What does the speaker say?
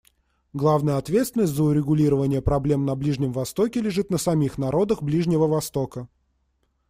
Главная ответственность за урегулирование проблем на Ближнем Востоке лежит на самих народах Ближнего Востока.